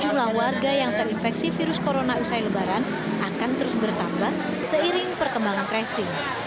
jumlah warga yang terinfeksi virus corona usai lebaran akan terus bertambah seiring perkembangan tracing